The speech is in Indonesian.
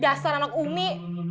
dasar anak umi